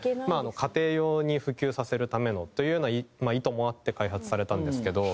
家庭用に普及させるためのというような意図もあって開発されたんですけど。